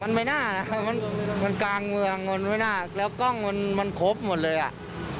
มันไม่น่านะมันกลางเมืองมันไม่น่าแล้วกล้องมันมันครบหมดเลยอ่ะ